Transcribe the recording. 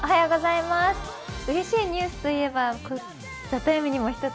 うれしいニュースといえば、「ＴＨＥＴＩＭＥ，」にも１つ。